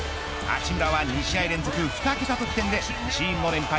八村は２試合連続２桁得点でチームの連敗